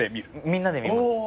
みんなで見ます。